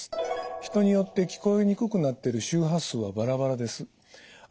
人によって聞こえにくくなってる周波数はバラバラです。